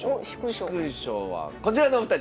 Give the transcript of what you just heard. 殊勲賞はこちらのお二人。